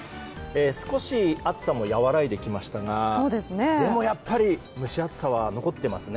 少し、暑さも和らいできましたがでも、やっぱり蒸し暑さは残っていますね。